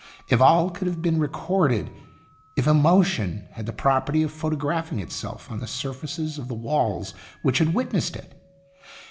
If all could have been recorded! If emotion had the property of photographing itself on the surfaces of the walls which had witnessed it